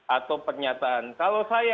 atau pernyataan kalau saya